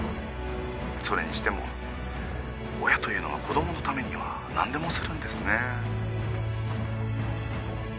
それにしても親というのは子供のためには何でもするんですね。